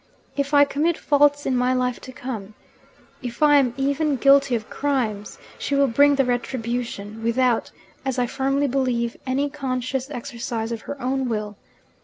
If I commit faults in my life to come if I am even guilty of crimes she will bring the retribution, without (as I firmly believe) any conscious exercise of her own will.